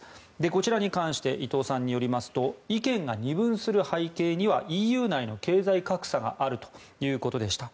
こちらに関して伊藤さんによりますと意見が二分する背景にはＥＵ内の経済格差があるということでした。